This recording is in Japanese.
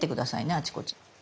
あちこち。